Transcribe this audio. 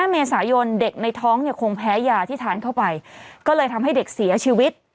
เมษายนเด็กในท้องเนี่ยคงแพ้ยาที่ทานเข้าไปก็เลยทำให้เด็กเสียชีวิต